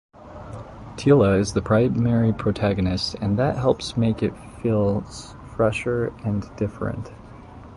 Teela is the primary protagonist and that helps make it feels fresher and different.